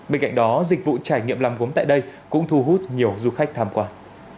bên cạnh đó dịch vụ trải nghiệm làm gốm tại đây cũng thu hút nhiều du khách tham quan